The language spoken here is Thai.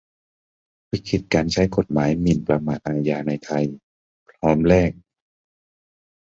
วิกฤตการใช้กฎหมายหมิ่นประมาทอาญาในไทย พร้อมแลก